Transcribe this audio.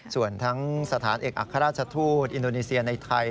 ส่วนทั้งสถานเอกอัครราชทูตอินโดนีเซียในไทย